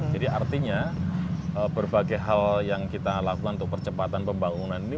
jadi artinya berbagai hal yang kita lakukan untuk percepatan pembangunan ini